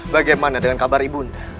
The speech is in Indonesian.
bagaimana dengan kabar ibunda